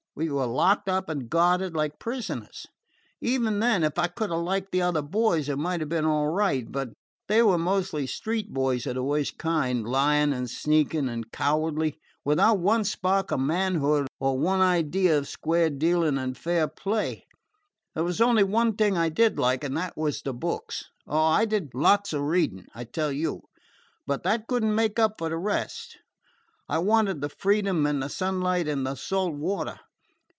We were locked up and guarded like prisoners. Even then, if I could have liked the other boys it might have been all right. But they were mostly street boys of the worst kind lying, and sneaking, and cowardly, without one spark of manhood or one idea of square dealing and fair play. There was only one thing I did like, and that was the books. Oh, I did lots of reading, I tell you! But that could n't make up for the rest. I wanted the freedom and the sunlight and the salt water.